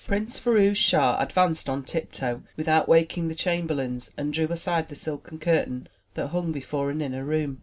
Prince Firouz Schah advanced on tip toe, without waking the chamberlains and drew aside the silken curtain that hung before an inner room.